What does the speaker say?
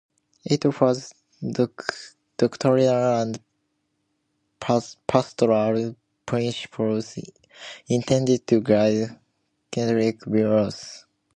It offers doctrinal and pastoral principles intended to guide Catholic bishops.